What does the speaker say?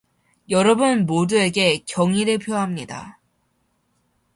여러분 모두에게 경의를 표합니다.